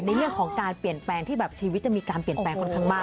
ในเรื่องของการเปลี่ยนแปลงที่แบบชีวิตจะมีการเปลี่ยนแปลงค่อนข้างมาก